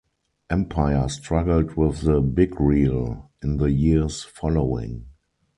Empire struggled with the "Big Reel" in the years following.